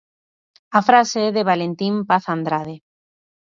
A frase é de Valentín Paz Andrade.